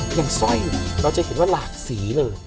เพียงซ่อยเราจะหิดว่าหลากสีเลย